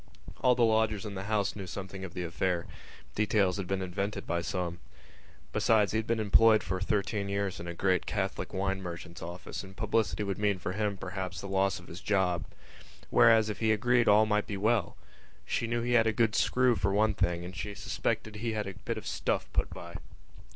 All the lodgers in the house knew something of the affair; details had been invented by some. Besides, he had been employed for thirteen years in a great Catholic wine merchant's office and publicity would mean for him, perhaps, the loss of his job. Whereas if he agreed all might be well. She knew he had a good screw for one thing and she suspected he had a bit of stuff put by.